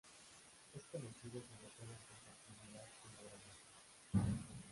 Es conocido sobre todo por su actividad como gramático.